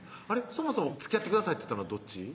そもそも「つきあってください」って言ったのはどっち？